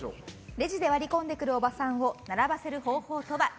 レジで割り込んでくるおばさんを並ばせる方法とは？